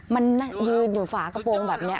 มันยืนอยู่ฝากระโปรงแบบนี้